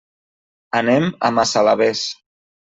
Anem a Massalavés.